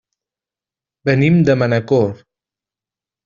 Venim de Manacor.